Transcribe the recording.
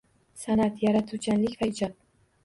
San’at, yaratuvchanlik va ijod